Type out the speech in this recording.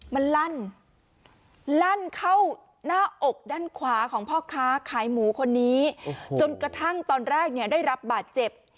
มันลั่นลั่นเข้าหน้าอกด้านขวาของพ่อค้าขายหมูคนนี้จนกระทั่งตอนแรกเนี่ยได้รับบาดเจ็บ